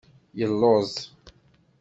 Yelluẓ.